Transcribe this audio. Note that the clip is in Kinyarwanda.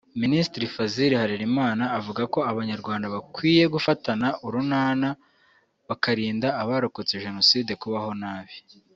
Minisitiri Fazil Harerimana avuga ko Abanyarwanda bakwiye gufatana urunana bakarinda abarokotse Jenoside kubaho nabi